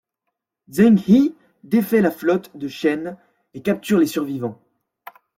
Zheng He défait la flotte de Chen et capture les survivants.